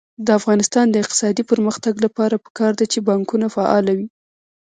د افغانستان د اقتصادي پرمختګ لپاره پکار ده چې بانکونه فعال وي.